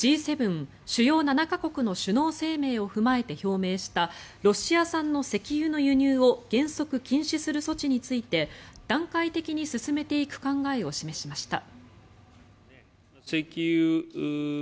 主要７か国の首脳声明を踏まえて表明したロシア産の石油の輸入を原則禁止する措置について段階的に進めていく考えを示しました。